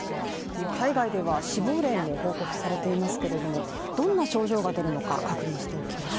海外では死亡例も報告されていますけれども、どんな症状が出るのか確認しておきます。